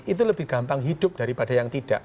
itu lebih gampang hidup daripada yang tidak